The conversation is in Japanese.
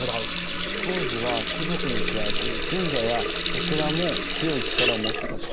当時は貴族に加えて神社やお寺も強い力を持ってたってことですか？